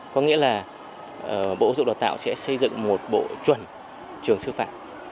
có nghĩa là bộ giáo dục đào tạo sẽ xây dựng một bộ chuẩn trường sư phạm